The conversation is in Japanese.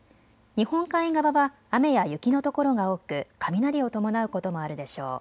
日本海側は雨や雪の所が多く雷を伴うこともあるでしょう。